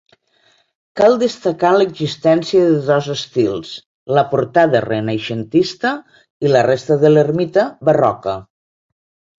Cal destacar l'existència de dos estils: la portada, renaixentista i la resta de l'ermita, barroca.